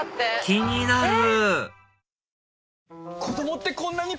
気になる！